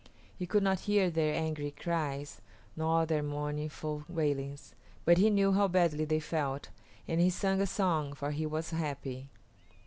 He could not hear their angry cries, nor their mournful wailings, but he knew how badly they felt, and he sung a song, for he was happy.